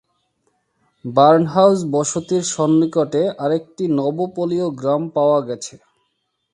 Barnhouse বসতির সন্নিকটে আরেকটি নবোপলীয় গ্রাম পাওয়া গেছে।